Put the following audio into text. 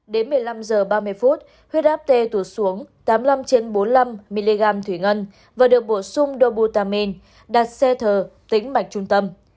đến một mươi năm h ba mươi phút huyết áp tê tụt xuống tám mươi năm trên bốn mươi năm mg thủy ngân và được bổ sung dobutamin đặt xe thờ tính mạch trung tâm